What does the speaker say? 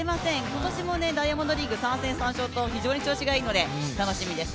今年もダイヤモンドリーグ３戦３勝と非常に調子がいいので楽しみですね。